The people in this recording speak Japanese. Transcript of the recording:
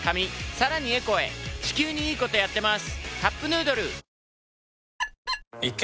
さらにエコへ地球にいいことやってます。